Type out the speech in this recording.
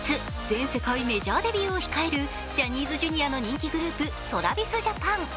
全世界メジャーデビューを控えるジャニーズＪｒ．の人気グループ、ＴｒａｖｉｓＪａｐａｎ。